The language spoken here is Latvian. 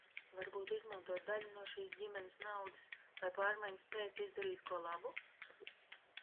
Varbūt izmantot daļu no šīs ģimenes naudas, lai pārmaiņas pēc izdarītu ko labu?